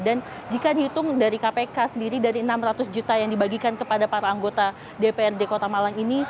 dan jika dihitung dari kpk sendiri dari enam ratus juta yang dibagikan kepada para anggota dprd kota malang ini